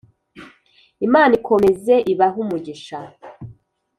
Imana ikomeze ibahe umugisha.